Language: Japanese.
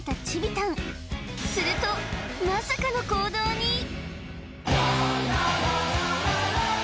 チビたんするとまさかの行動に！